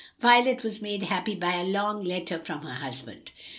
Violet was made happy by a long letter from her husband.